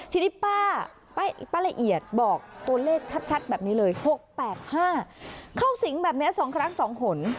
ทีนี้ป้าละเอียดบอกตัวเลขชัดแบบนี้เลย๖๘๕เข้าสิงแบบนี้๒ครั้ง๒หน